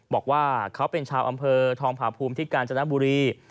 บอกว่าเขาเป็นชาวอำเภอทองผาภูมิที่กาญจนบุรี